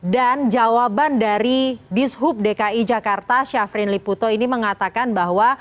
dan jawaban dari dishub dki jakarta syafrin liputo ini mengatakan bahwa